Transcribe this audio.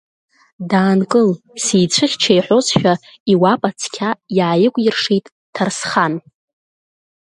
Даанкыл, сицәыхьча иҳәозшәа, иуапа цқьа иааикәиршеит Ҭарсхан.